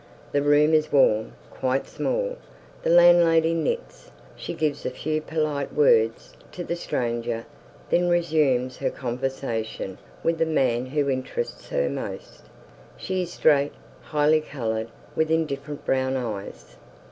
The room is warm, quite small. The landlady knits. She gives a few polite words to the stranger, then resumes her conversation with the man who interests her most. She is straight, highly coloured, with indifferent brown eyes.